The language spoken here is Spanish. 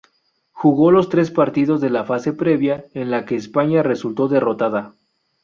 Jugó los tres partidos de la fase previa en la que España resultó derrotada.